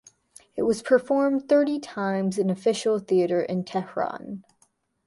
It was performed thirty times in an official theatre in Tehran.